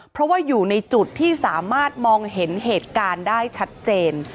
เพราะว่าอยู่ในจุดที่สามารถมองเห็นเหตุการณ์ได้ชัดเจน